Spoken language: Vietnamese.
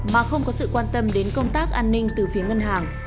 mà không có sự quan tâm đến công tác an ninh từ phía ngân hàng